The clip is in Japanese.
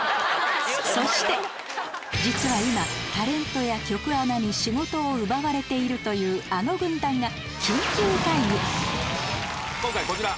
そして実は今タレントや局アナに仕事を奪われているというあの軍団が緊急会議今回こちら！